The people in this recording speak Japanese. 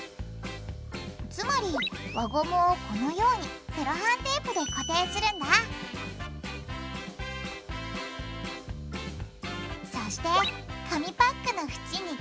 つまり輪ゴムをこのようにセロハンテープで固定するんだそして紙パックの縁に切りこみを入れて